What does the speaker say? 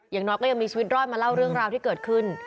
อย่างน้อยก็ยังมีชีวิตรอดมาเล่าเรื่องราวที่เกิดขึ้น